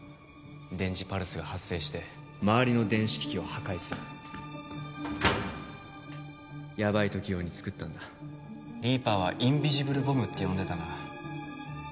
電磁パルスが発生して周りの電子機器を破壊するヤバイ時用に作ったんだリーパーはインビジブルボムって呼んでたな